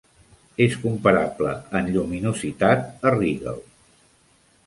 És comparable en lluminositat a Rigel.